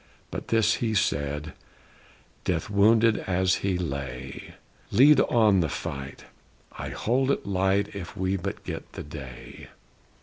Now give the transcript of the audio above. But this he said, Death wounded as he lay: "Lead on the fight! I hold it light If we but get the day!"